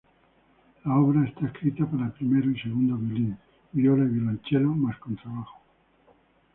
La obra está escrita para primer y segundo violín, viola, y violonchelo más contrabajo.